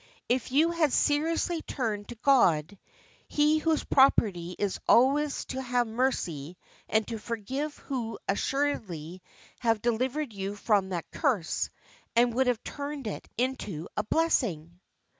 If you had seriously turned to God, He whose property is always to have mercy and to forgive would assuredly have delivered you from that curse, and would have turned it into a blessing.